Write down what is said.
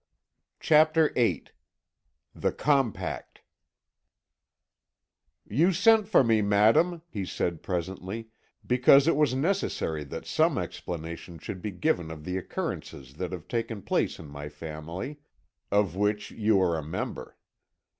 CHAPTER VIII THE COMPACT "You sent for me, madame,' he said presently, 'because it was necessary that some explanation should be given of the occurrences that have taken place in my family, of which you are a member.